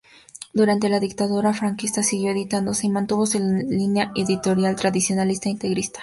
Durante la Dictadura franquista siguió editándose y mantuvo su línea editorial tradicionalista e integrista.